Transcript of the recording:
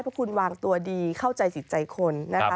เพราะคุณวางตัวดีเข้าใจสิทธิ์ใจคน